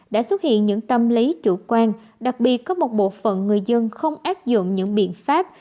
đã xuất hiện những tâm lý chủ quan đặc biệt có một bộ phận người dân không áp dụng những biện pháp